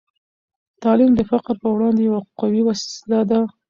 تعلیم د فقر په وړاندې یوه قوي وسله ده.